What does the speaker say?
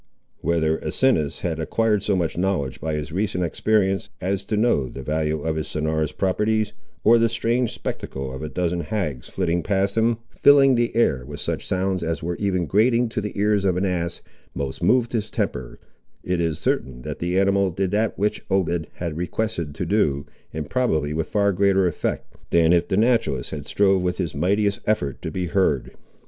Whether Asinus had acquired so much knowledge, by his recent experience, as to know the value of his sonorous properties, or the strange spectacle of a dozen hags flitting past him, filling the air with such sounds as were even grating to the ears of an ass, most moved his temper, it is certain that the animal did that which Obed was requested to do, and probably with far greater effect than if the naturalist had strove with his mightiest effort to be heard.